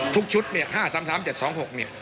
ทุกชุดเนี่ย๕๓๓๗๒๖